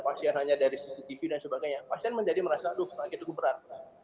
pasien hanya dari cctv dan sebagainya pasien menjadi merasa aduh sakit itu berat